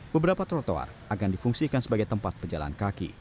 beberapa trotoar akan difungsikan sebagai tempat pejalan kaki